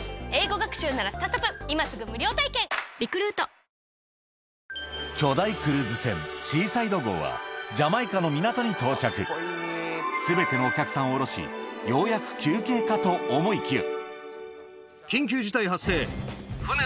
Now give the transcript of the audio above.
三ツ矢サイダー』巨大クルーズ船シーサイド号はジャマイカの港に到着全てのお客さんを下ろしようやく休憩かと思いきや